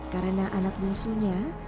karena anak bungsunya